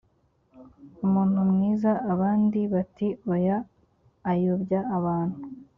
umuntu mwiza abandi bati oya ayobya abantu